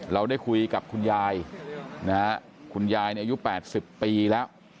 เราได้คุยกับคุณยายนะฮะคุณยายอายุ๘๐ปีแล้ว